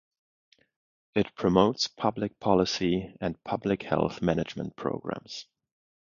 It promotes public policy and public health management programs.